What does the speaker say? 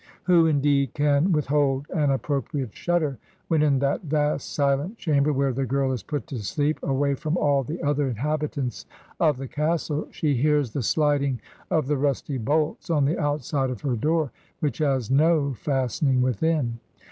Who, in deed, can withhold an appropriate shudder, when in that vast silent chamber where the girl is put to sleep, away from all the other inhabitants of the castle, she hears the sliding of the rusty bolts on the outside of her door, which has no fastening within?